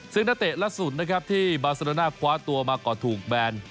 ซึ่งนักเตะล่าสุดนะครับที่บาเซโรน่าคว้าตัวมาก่อถูกแบน